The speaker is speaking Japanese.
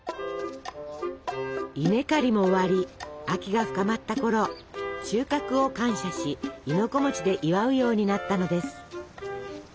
稲刈りも終わり秋が深まったころ収穫を感謝し亥の子で祝うようになったのです。